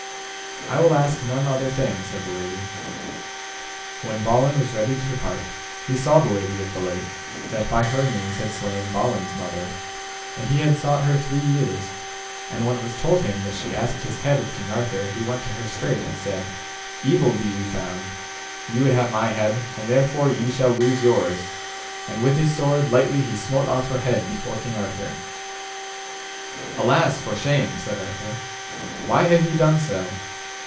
I will ask none other thing, said the lady. When Balin was ready to depart, he saw the Lady of the Lake, that by her means had slain Balin's mother, and he had sought her three years; and when it was told him that she asked his head of King Arthur, he went to her straight and said, Evil be you found; ye would have my head, and therefore ye shall lose yours, and with his sword lightly he smote off her head before King Arthur. Alas, for shame! said Arthur, why have ye done so?